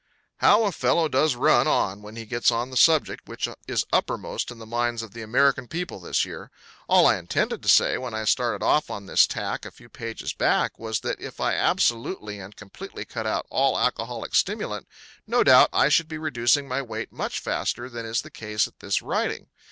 How a fellow does run on when he gets on the subject which is uppermost in the minds of the American people this year! All I intended to say, when I started off on this tack, a few pages back, was that if I absolutely and completely cut out all alcoholic stimulant no doubt I should be reducing my weight much faster than is the case at this writing.